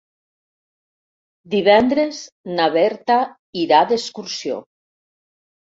Divendres na Berta irà d'excursió.